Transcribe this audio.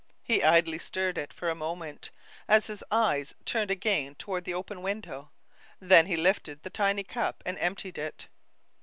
He idly stirred it for a moment, as his eyes turned again toward the open window, then he lifted the tiny cup and emptied it.